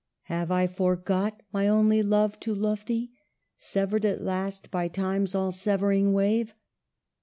Have I forgot, my only Love, to love thee, Severed at last by Time's all severing wave